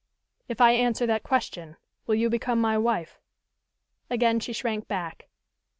"If I answer that question, will you become my wife?" Again she shrank back.